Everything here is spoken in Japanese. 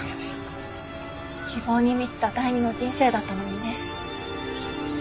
希望に満ちた第二の人生だったのにね。